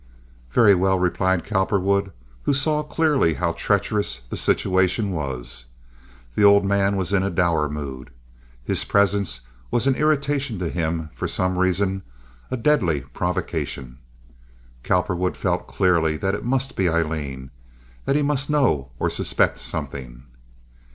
"Very well," replied Cowperwood, who saw clearly how treacherous the situation was. The old man was in a dour mood. His presence was an irritation to him, for some reason—a deadly provocation. Cowperwood felt clearly that it must be Aileen, that he must know or suspect something.